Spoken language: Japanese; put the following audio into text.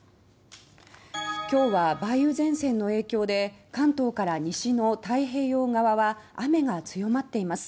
今日は梅雨前線の影響で関東から西の太平洋側は雨が強まっています。